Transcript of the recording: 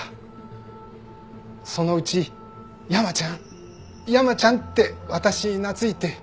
そのうち「山ちゃん！山ちゃん！」って私に懐いて。